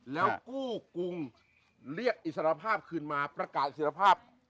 แล้วกู้กรุงเรียกอิสรภาพคืนมาประกาศอิรภาพ